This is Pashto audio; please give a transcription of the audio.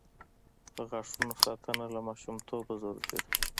د غاښونو ساتنه له ماشومتوبه ضروري ده.